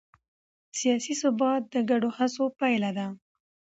سیاسي ثبات د ګډو هڅو پایله ده